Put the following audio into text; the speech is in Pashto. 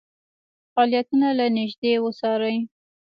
فعالیتونه له نیژدې وڅاري.